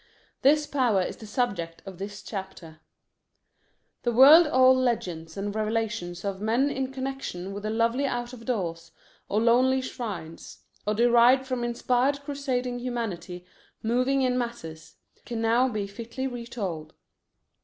This power is the subject of this chapter. The world old legends and revelations of men in connection with the lovely out of doors, or lonely shrines, or derived from inspired crusading humanity moving in masses, can now be fitly retold.